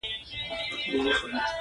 زه د مطالعې وخت منظم کوم.